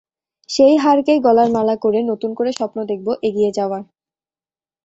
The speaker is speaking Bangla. সেই হারকেই গলার মালা করে, নতুন করে স্বপ্ন দেখব এগিয়ে যাওয়ার।